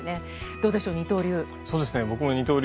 どうでしょう、二刀流。